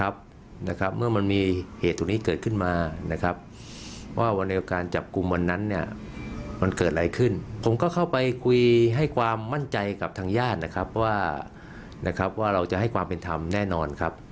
บาดไหมพอจับกุมมาเกิดอะไรขึ้นผมไปคุยให้ให้ความมั่นใจกับทางย่านว่าเราจะให้ความเป็นธรรมแน่นอนครับ